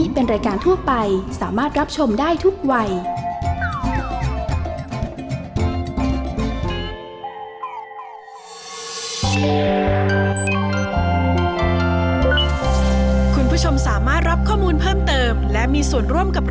เป็กกี้ก็โหลดแล้วค่ะ